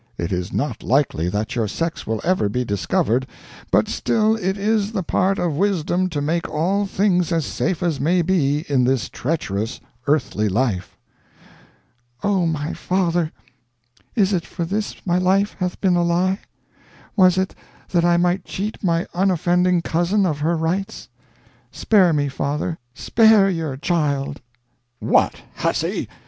It is not likely that your sex will ever be discovered, but still it is the part of wisdom to make all things as safe as may be in this treacherous earthly life." "Oh, my father, is it for this my life hath been a lie? Was it that I might cheat my unoffending cousin of her rights? Spare me, father, spare your child!" "What, hussy!